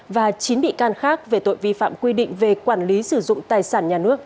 và chín bị can khác về tội vi phạm quy định về quản lý sử dụng tài sản nhà nước